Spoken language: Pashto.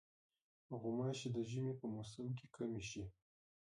غوماشې د ژمي په موسم کې کمې شي.